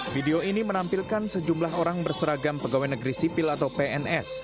video ini menampilkan sejumlah orang berseragam pegawai negeri sipil atau pns